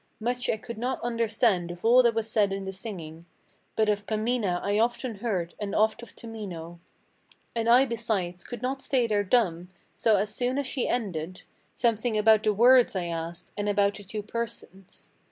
Much I could not understand of all that was said in the singing; But of Pamina I often heard, and oft of Tamino: And I, besides, could not stay there dumb; so, as soon as she ended, Something about the words I asked, and about the two persons.